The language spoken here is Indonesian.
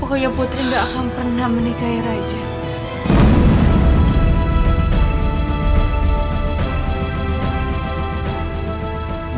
pokoknya putri gak akan pernah menikahi raja